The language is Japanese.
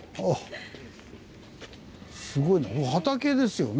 すごいなこれ畑ですよね？